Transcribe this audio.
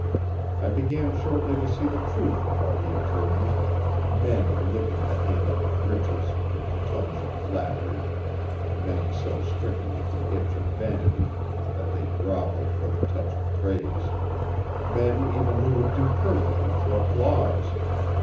I began shortly to see the truth of what he had told me men licking the hand of riches with the tongue of flattery, men so stricken with the itch of vanity that they grovelled for the touch of praise; men even who would do perjury for applause.